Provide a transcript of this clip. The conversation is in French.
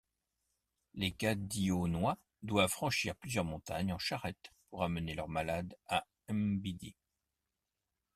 Les Kadionois doivent franchir plusieurs montagnes en charrettes pour amener leurs malades à Mbiddi.